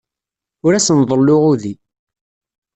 Ur asen-ḍelluɣ udi.